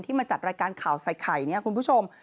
มาจัดรายการข่าวใส่ไข่เนี่ยคุณผู้ชม